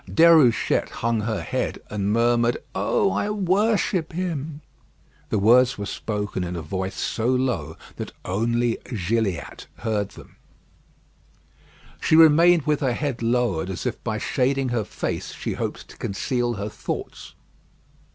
Déruchette hung her head, and murmured: "Oh! I worship him." The words were spoken in a voice so low, that only Gilliatt heard them. She remained with her head lowered as if by shading her face she hoped to conceal her thoughts.